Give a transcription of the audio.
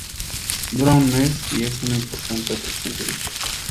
Dura un mes y es una importante atracción turística.